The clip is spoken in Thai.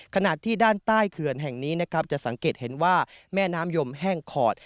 ขณะที่ด้านใต้เขื่อนแห่งนี้นะครับจะสังเกตเห็นว่าแม่น้ำยมแห้งขอด